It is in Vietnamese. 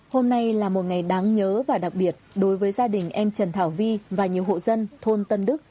hôm nay là một ngày đáng nhớ và đặc biệt đối với gia đình em trần thảo vi và nhiều hộ dân thôn tân đức